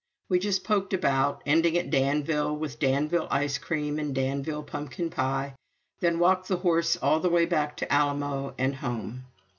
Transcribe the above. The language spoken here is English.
We just poked about, ending at Danville with Danville ice cream and Danville pumpkin pie; then walked the horse all the way back to Alamo and home.